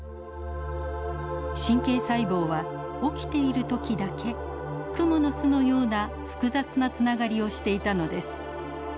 神経細胞は起きている時だけくもの巣のような複雑なつながりをしていたのです。